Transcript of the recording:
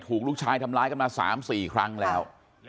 ถูกลูกชายทำร้ายกันมา๓๔ครั้งแล้ว